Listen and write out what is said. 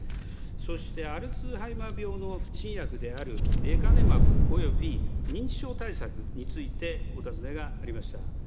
そしてアルツハイマー病の新薬であるレカネマブおよび認知症対策についてお尋ねがありました。